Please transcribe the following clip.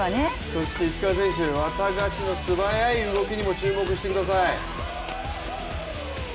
そしてワタガシの素早い動きにも注目してください。